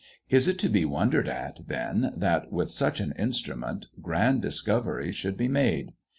Is it to be wondered at, then, that, with such an instrument, grand discoveries should be made?